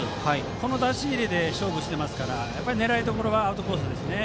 この出し入れで勝負しているので狙いどころはアウトコースですね。